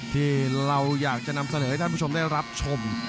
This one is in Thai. ที่เราอยากจะนำเสนอให้ท่านผู้ชมได้รับชม